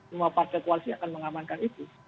semua partai koalisi akan mengamankan itu